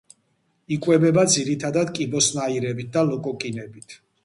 იკვებება ძირითადად კიბოსნაირებით და ლოკოკინებით.